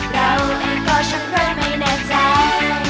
ตาแล้วอีกป่าฉันเพื่อให้แน่ใจ